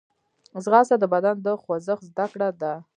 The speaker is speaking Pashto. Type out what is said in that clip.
ځغاسته د بدن د خوځښت زدهکړه ده